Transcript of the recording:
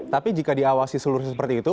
tapi jika diawasi seluruhnya seperti itu